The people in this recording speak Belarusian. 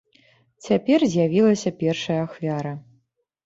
Цяпер з'явілася першая ахвяра.